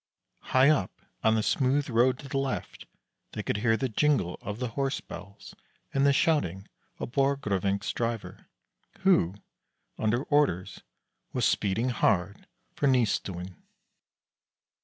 High up, on the smooth road to the left, they could hear the jingle of the horse bells and the shouting of Borgrevinck's driver, who, under orders, was speeding hard for Nystuen.